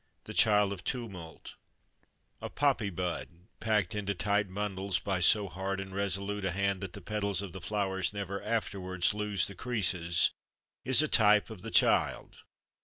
THE CHILD OF TUMULT A poppy bud, packed into tight bundles by so hard and resolute a hand that the petals of the flower never afterwards lose the creases, is a type of the child.